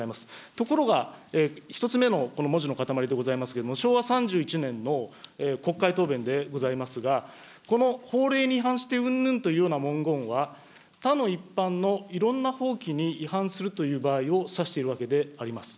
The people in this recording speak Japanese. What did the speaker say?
ところが、１つ目のこの文字の固まりでございますけれども、昭和３１年の国会答弁でございますが、この法令に違反してうんぬんというような文言は、他の一般のいろんな法規に違反するという場合を指しているわけであります。